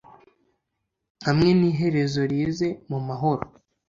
hamwe niherezo lize mumahoro